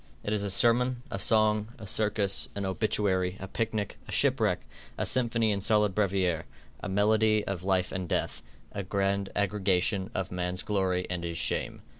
It is a sermon, a song, a circus, an obituary, a picnic, a shipwreck, a symphony in solid brevier, a medley of life and death, a grand aggregation of man's glory and his shame.